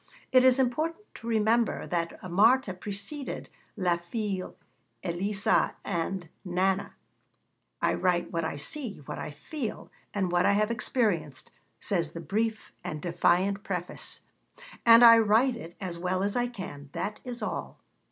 It is important to remember that Marthe preceded La Fille Elisa and Nana. 'I write what I see, what I feel, and what I have experienced,' says the brief and defiant preface, 'and I write it as well as I can: that is all.